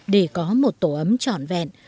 để có một tổ ấm trọn vẹn